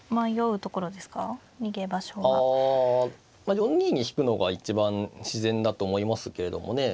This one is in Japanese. ４二に引くのが一番自然だと思いますけれどもね。